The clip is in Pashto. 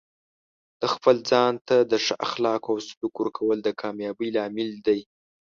د خپل ځان ته د ښه اخلاقو او سلوک ورکول د کامیابۍ لامل دی.